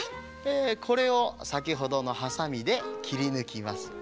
これをさきほどのハサミできりぬきます。